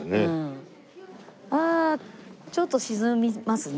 ああちょっと沈みますね。